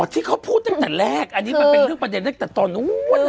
ที่เขาพูดตั้งแต่แรกอันนี้มันเป็นเรื่องประเด็นตั้งแต่ตอนนู้นเลย